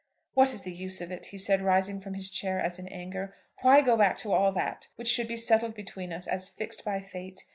"What is the use of it?" he said, rising from his chair as in anger. "Why go back to all that which should be settled between us, as fixed by fate?